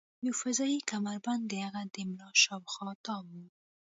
یو فضايي کمربند د هغه د ملا شاوخوا تاو و